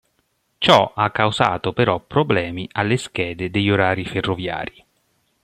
Ciò ha causato però problemi alle schede degli orari ferroviari.